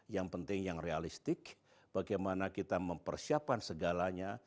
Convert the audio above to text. yang penting yang realistik bagaimana kita mempersiapkan segalanya